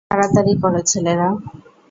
তাড়াতাড়ি কর, ছেলেরা!